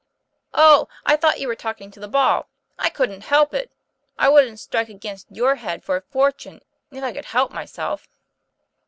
'Oh, I thought you were talking to the ball! / couldn't help it. I wouldn't strike against your head for a fortune, if I could help myself."